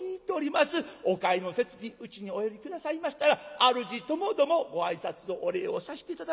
お帰りの節にうちにお寄り下さいましたら主ともどもご挨拶をお礼をさせて頂きます。